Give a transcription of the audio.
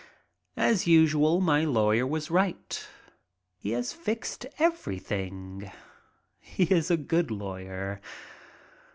As usual, my lawyer was right. He had fixed everything. He is a good lawyer.